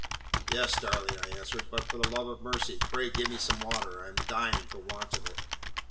"Yes, darling," I answered; "but, for the love of mercy, pray give me some water. I am dying for want of it."